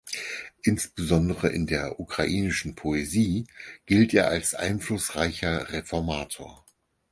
Insbesondere in der ukrainischen Poesie gilt er als einflussreicher Reformator.